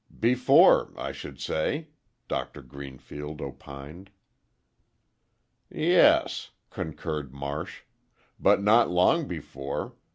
"Before, I should say," Doctor Greenfield opined. "Yes," concurred Marsh, "but not long before.